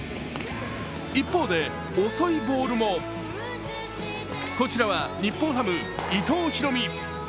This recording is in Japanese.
一方で遅いボールもこちらは日本ハム・伊藤大海。